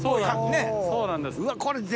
そうなんです。